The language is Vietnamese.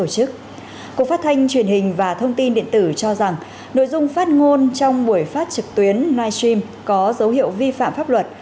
cục phát thanh truyền hình và thông tin điện tử cho rằng nội dung phát ngôn trong buổi phát trực tuyến live stream có dấu hiệu vi phạm pháp luật